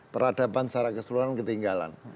peradaban secara keseluruhan ketinggalan